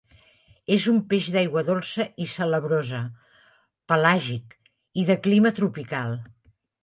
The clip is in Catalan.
És un peix d'aigua dolça i salabrosa, pelàgic i de clima tropical.